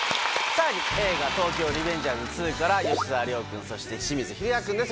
映画『東京リベンジャーズ２』から吉沢亮君そして清水尋也君です